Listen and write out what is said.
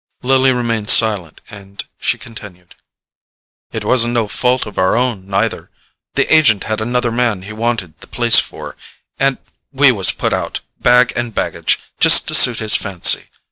Lily remained silent and she continued: "It wasn't no fault of our own, neither: the agent had another man he wanted the place for, and we was put out, bag and baggage, just to suit his fancy.